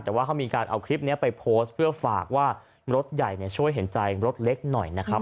แต่ว่าเขามีการเอาคลิปนี้ไปโพสต์เพื่อฝากว่ารถใหญ่ช่วยเห็นใจรถเล็กหน่อยนะครับ